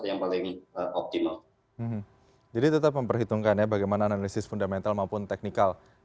yang paling optimal jadi tetap memperhitungkan ya bagaimana analisis fundamental maupun teknikal